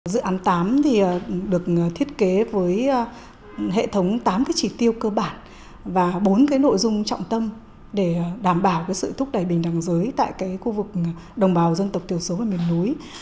dự án tám thì được thiết kế với hệ thống tám chỉ tiêu cơ bản và bốn nội dung trọng tâm để đảm bảo sự thúc đẩy bình đẳng giới tại khu vực đồng bào dân tộc thiểu số và miền núi